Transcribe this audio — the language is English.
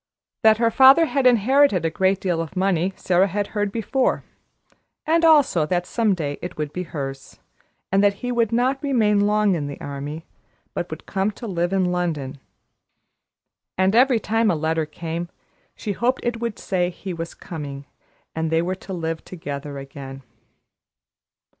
That her father had inherited a great deal of money, Sara had heard before; and also that some day it would be hers, and that he would not remain long in the army, but would come to live in London. And every time a letter came, she hoped it would say he was coming, and they were to live together again.